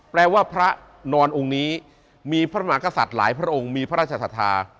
แปลว่าพระนอนองค์นี้มีพระมหากษัตริย์หลายพระองค์มีพระราชศรัทธา